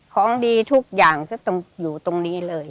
ของดีทุกอย่างก็ต้องอยู่ตรงนี้เลย